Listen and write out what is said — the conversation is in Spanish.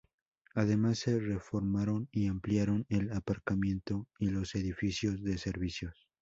Además se reformaron y ampliaron el aparcamiento y los edificios de servicios.